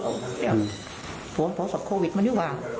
เดี๋ยวโปรสอบโควิดมันนี่หว่า